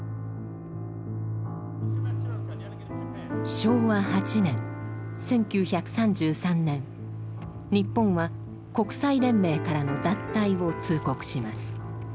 昭和８年１９３３年日本は国際連盟からの脱退を通告します。